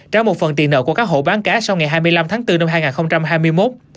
trả một phần tiền nợ của các hộ bán cá sau ngày hai mươi năm tháng bốn năm hai nghìn hai mươi một